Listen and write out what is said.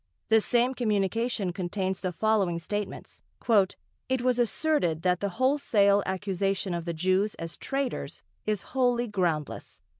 The same communication contains the following statements: "It was asserted that the wholesale accusation of the Jews as traitors is wholly groundless....